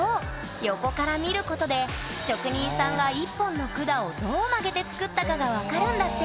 横から見ることで職人さんが１本の管をどう曲げて作ったかがわかるんだって！